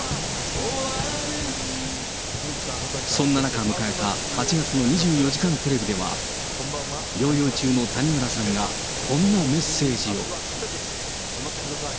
そんな中迎えた、８月の２４時間テレビでは、療養中の谷村さんがこんなメッセージを。